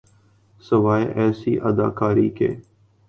سوائے ایسی اداکاری کے۔